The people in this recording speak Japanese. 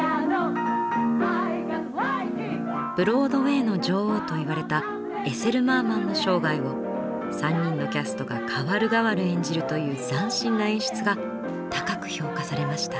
「ブロードウェイの女王」といわれたエセル・マーマンの生涯を３人のキャストが代わる代わる演じるという斬新な演出が高く評価されました。